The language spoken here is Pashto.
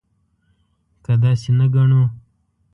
که داسې نه ګڼو.